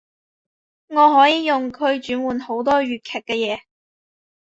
我可以用佢轉換好多粵劇嘅嘢